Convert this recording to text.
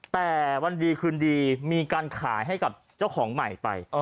แต่วันดีคืนดีมีการขายให้กับเจ้าของใหม่ไป